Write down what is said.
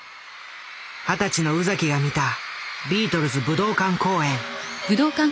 二十歳の宇崎が見たビートルズ武道館公演。